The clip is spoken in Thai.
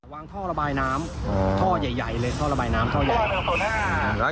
วางท่อระบายน้ำท่อใหญ่เลยท่อระบายน้ำท่อใหญ่